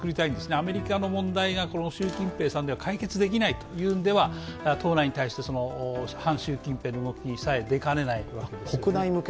アメリカの問題が習近平さんでは解決できないとなれば党内に対して、反習近平の動きが出かねないわけですね。